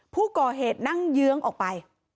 ผู้ก่อเหตุนั่งเยื้องออกไป